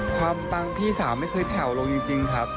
ปังพี่สาวไม่เคยแผ่วลงจริงครับ